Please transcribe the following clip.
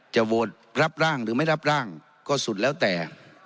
โหวตรับร่างหรือไม่รับร่างก็สุดแล้วแต่